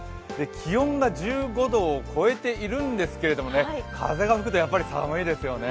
気温が１５度を超えているんですけれども風が吹くとやっぱり寒いですよね。